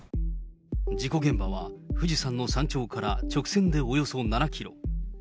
事故現場は、富士山の山頂から直線でおよそ７キロ。